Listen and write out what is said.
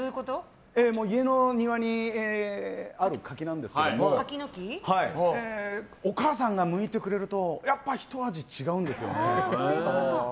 家の庭にある柿なんですけどお母さんが剥いてくれるとやっぱりひと味違うんですね。